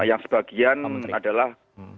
yang sebagian adalah